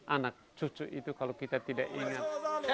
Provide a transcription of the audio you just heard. anak cucu itu kalau kita tidak ingat